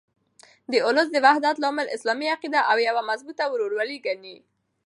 د اولسو د وحدت لامل اسلامي عقیده او یوه مضبوطه ورورګلوي ده.